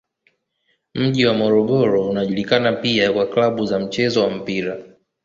Mji wa Morogoro unajulikana pia kwa klabu za mchezo wa mpira.